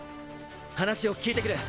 話を聞いてくる！